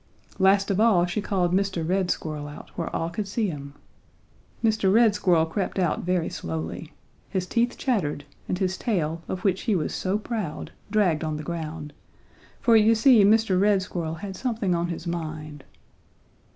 "Last of all she called Mr. Red Squirrel out where all could see him. Mr. Red Squirrel crept out very slowly. His teeth chattered and his tail, of which he was so proud, dragged on the ground, for you see Mr. Red Squirrel had something on his mind.